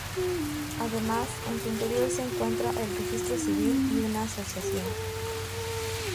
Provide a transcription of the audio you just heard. Además, en su interior se encuentra el registro civil y una asociación.